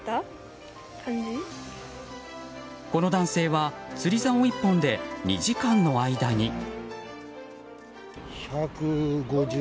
この男性は釣り竿１本で２時間の間に。